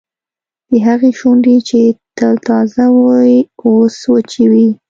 د هغې شونډې چې تل تازه وې اوس وچې وې